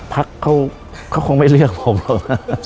พักเขาคงไม่เลือกผมหรอก